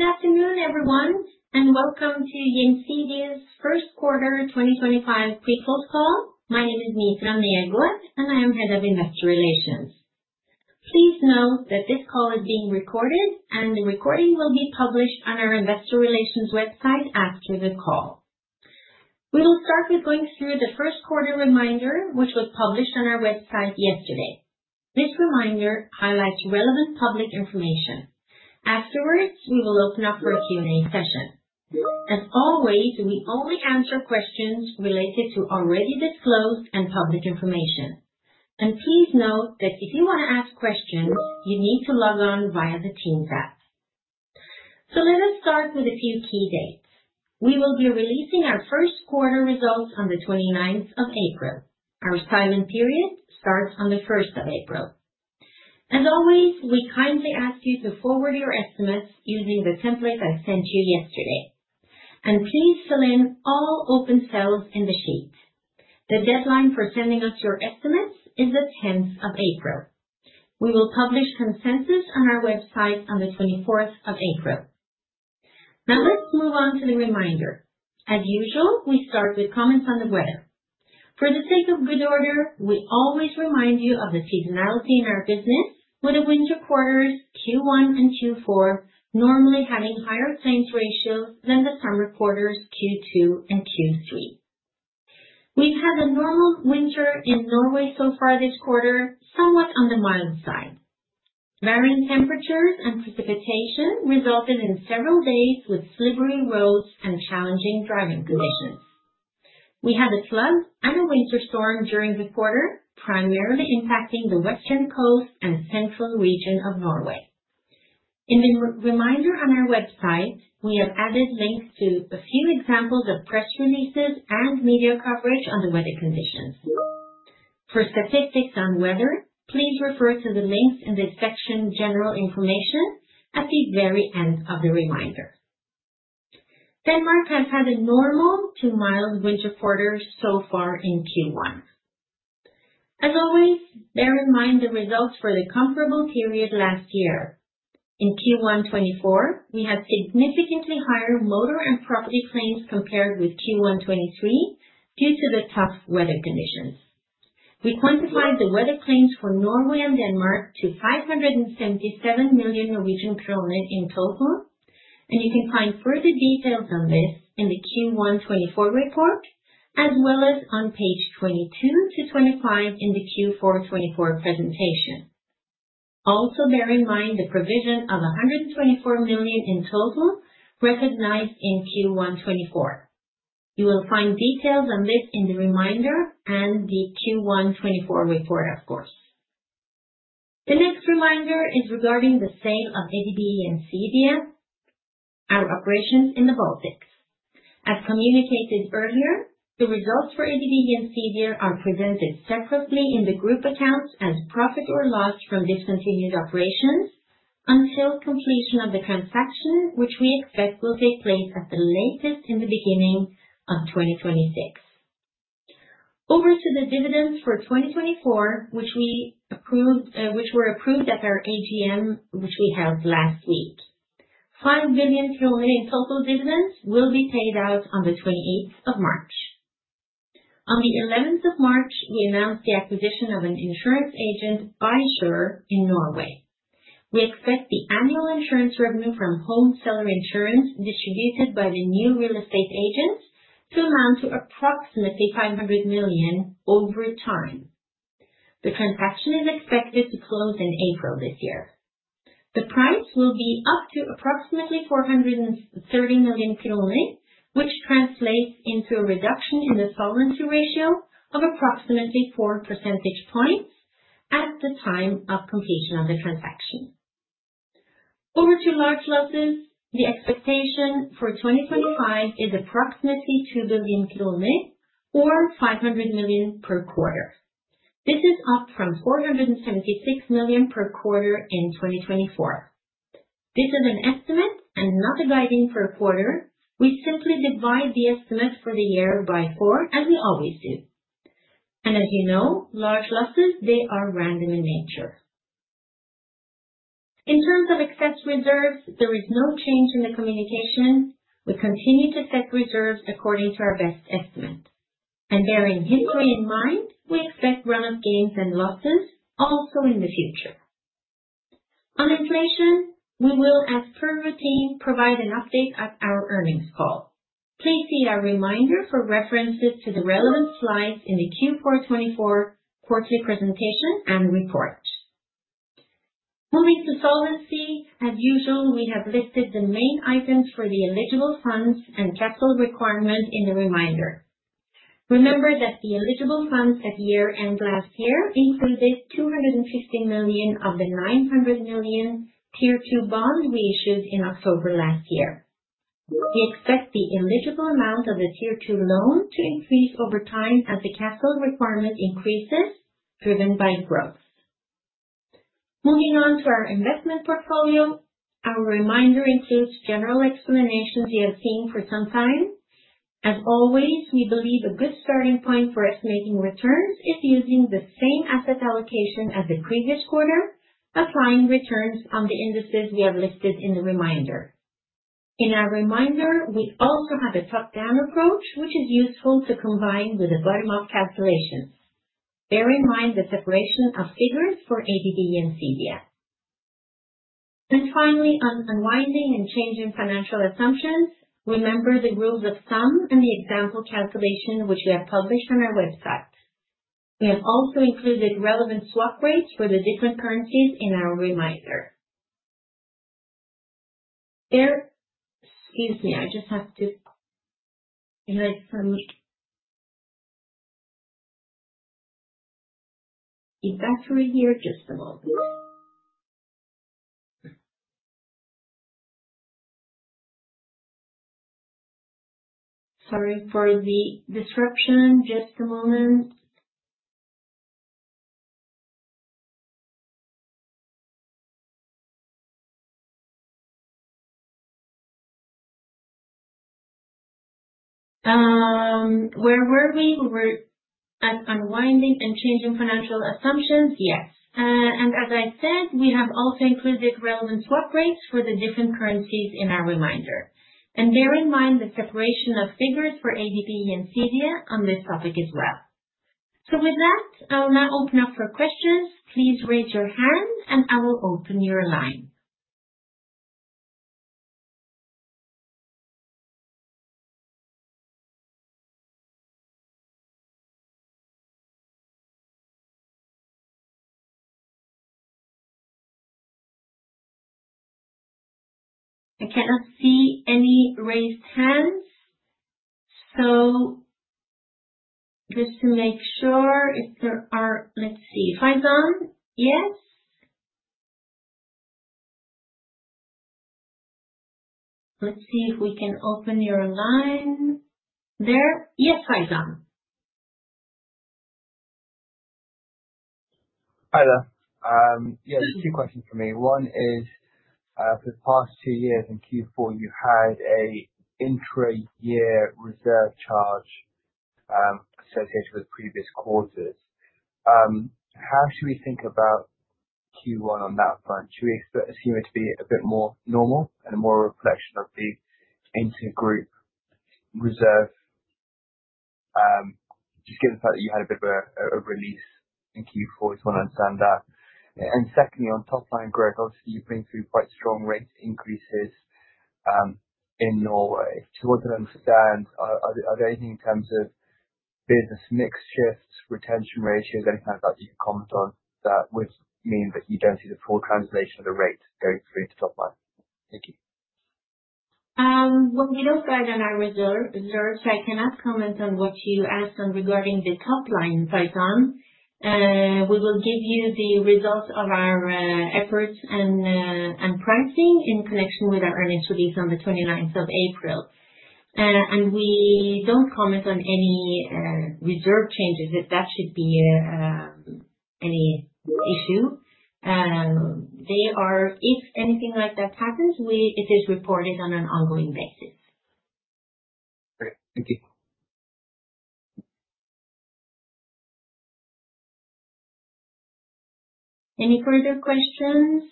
Good afternoon, everyone, and welcome to Gjensidige's First Quarter 2025 pre-close call. My name is Mitra Negård, and I am Head of Investor Relations. Please note that this call is being recorded, and the recording will be published on our Investor Relations website after the call. We will start with going through the first quarter reminder, which was published on our website yesterday. This reminder highlights relevant public information. Afterwards, we will open up for a Q&A session. As always, we only answer questions related to already disclosed and public information. Please note that if you want to ask questions, you need to log on via the Teams app. Let us start with a few key dates. We will be releasing our first quarter results on the 29th of April. Our silent period starts on the 1st of April. As always, we kindly ask you to forward your estimates using the template I sent you yesterday. Please fill in all open cells in the sheet. The deadline for sending us your estimates is the 10th of April. We will publish consensus on our website on the 24th of April. Now let's move on to the reminder. As usual, we start with comments on the weather. For the sake of good order, we always remind you of the seasonality in our business, with the winter quarters, Q1 and Q4 normally having higher claims ratios than the summer quarters, Q2 and Q3. We've had a normal winter in Norway so far this quarter, somewhat on the mild side. Varying temperatures and precipitation resulted in several days with slippery roads and challenging driving conditions. We had a flood and a winter storm during the quarter, primarily impacting the western coast and central region of Norway. In the reminder on our website, we have added links to a few examples of press releases and media coverage on the weather conditions. For statistics on weather, please refer to the links in this section, general information, at the very end of the reminder. Denmark has had a normal to mild winter quarter so far in Q1. As always, bear in mind the results for the comparable period last year. In Q1 2024, we had significantly higher motor and property claims compared with Q1 2023 due to the tough weather conditions. We quantified the weather claims for Norway and Denmark to 577 million Norwegian kroner in total, and you can find further details on this in the Q1 2024 report, as well as on page 22 to 25 in the Q4 2024 presentation. Also, bear in mind the provision of 124 million in total recognized in Q1 2024. You will find details on this in the reminder and the Q1 2024 report, of course. The next reminder is regarding the sale of ADBE and CDF, our operations in the Baltics. As communicated earlier, the results for ADBE and CDF are presented separately in the group accounts as profit or loss from discontinued operations until completion of the transaction, which we expect will take place at the latest in the beginning of 2026. Over to the dividends for 2024, which were approved at our AGM, which we held last week. 5 billion in total dividends will be paid out on the 28th of March. On the 11th of March, we announced the acquisition of an insurance agent, Bay Shore, in Norway. We expect the annual insurance revenue from Home Seller Insurance distributed by the new real estate agent to amount to approximately 500 million over time. The transaction is expected to close in April this year. The price will be up to approximately 430 million, which translates into a reduction in the solvency ratio of approximately 4 percentage points at the time of completion of the transaction. Over to large losses. The expectation for 2025 is approximately 2 billion, or 500 million per quarter. This is up from 476 million per quarter in 2024. This is an estimate and not a guiding per quarter. We simply divide the estimate for the year by four, as we always do. As you know, large losses, they are random in nature. In terms of excess reserves, there is no change in the communication. We continue to set reserves according to our best estimate. And bearing history in mind, we expect run-off gains and losses also in the future. On inflation, we will, as per routine, provide an update at our earnings call. Please see our reminder for references to the relevant slides in the Q4 2024 quarterly presentation and report. Moving to solvency, as usual, we have listed the main items for the eligible funds and capital requirement in the reminder. Remember that the eligible funds at year-end last year included 250 million of the 900 million Tier 2 bond we issued in October last year. We expect the eligible amount of the tier two loan to increase over time as the capital requirement increases driven by growth. Moving on to our investment portfolio, our reminder includes general explanations you have seen for some time. As always, we believe a good starting point for estimating returns is using the same asset allocation as the previous quarter, applying returns on the indices we have listed in the reminder. In our reminder, we also have a top-down approach, which is useful to combine with the bottom-up calculations. Bear in mind the separation of figures for ADBE and CDF. Finally, on unwinding and changing financial assumptions, remember the rules of thumb and the example calculation, which we have published on our website. We have also included relevant swap rates for the different currencies in our reminder. Excuse me, I just have to, is that through here? Just a moment. Sorry for the disruption. Just a moment. Where were we? We were at unwinding and changing financial assumptions, yes. As I said, we have also included relevant swap rates for the different currencies in our reminder. Bear in mind the separation of figures for ADBE and CDF on this topic as well. With that, I will now open up for questions. Please raise your hand, and I will open your line. I cannot see any raised hands. Just to make sure if there are, let's see. Faizan, yes. Let's see if we can open your line. There? Yes, Faizan. Hi there. Yeah, just two questions for me. One is, for the past two years in Q4, you had an intra-year reserve charge associated with previous quarters. How should we think about Q1 on that front? Should we assume it to be a bit more normal and a more reflection of the inter-group reserve? Just given the fact that you had a bit of a release in Q4, I just want to understand that. Secondly, on top-line growth, obviously, you've been through quite strong rate increases in Norway. I just wanted to understand, are there anything in terms of business mix shifts, retention ratios, anything like that that you can comment on that would mean that you don't see the full translation of the rate going through into top-line? Thank you. We don't guide on our reserves, so I cannot comment on what you asked regarding the top-line, Faisan. We will give you the results of our efforts and pricing in connection with our earnings release on the 29th of April. We don't comment on any reserve changes if that should be any issue. If anything like that happens, it is reported on an ongoing basis. Great. Thank you. Any further questions?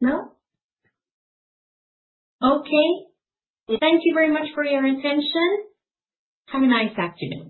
No? Okay. Thank you very much for your attention. Have a nice afternoon.